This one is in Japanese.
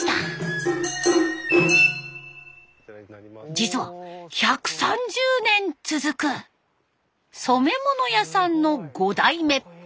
実は１３０年続く染物屋さんの５代目。